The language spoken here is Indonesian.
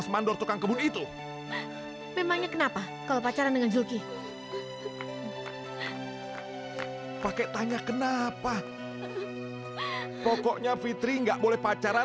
sampai jumpa di video selanjutnya